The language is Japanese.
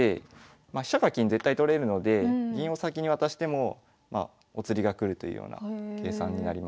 まあ飛車か金絶対取れるので銀を先に渡してもお釣りが来るというような計算になります。